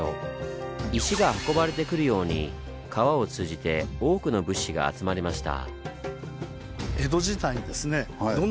石が運ばれてくるように川を通じて多くの物資が集まりました。